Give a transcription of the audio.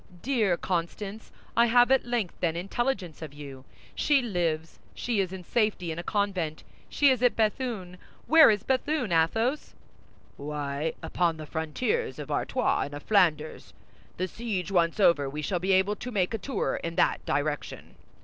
"Dear Constance! I have at length, then, intelligence of you. She lives; she is in safety in a convent; she is at Béthune! Where is Béthune, Athos?" "Why, upon the frontiers of Artois and of Flanders. The siege once over, we shall be able to make a tour in that direction."